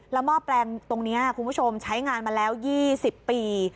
หม้อแปลงตรงนี้คุณผู้ชมใช้งานมาแล้ว๒๐ปี